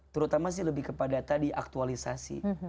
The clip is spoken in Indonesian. terutama sih lebih kepada tadi aktualisasi